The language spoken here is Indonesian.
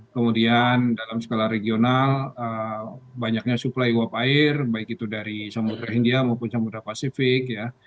kemudian dalam skala regional banyaknya suplai uap air baik itu dari samudera india maupun samudera pasifik ya